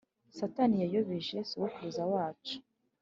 Satani yayobeje sogukuruza wacu